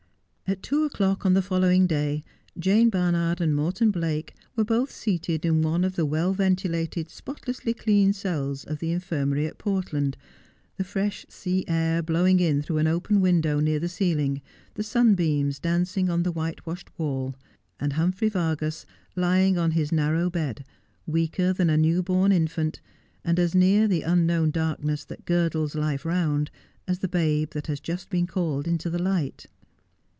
*##*# At two o'clock on the following day Jane Barnard and Morton Blake were both seated in one of the well ventilated, spotlessly clean cells of the Infirmary at Portland, the fresh sea air blowing in through an open window near the ceiling, the sunbeams dancing on the whitewashed wall, and Humphrey Vargas lying on his narrow bed, weaker than a new born infant, and as near the unknown darkness that girdles life round as the babe that has just been called into the light.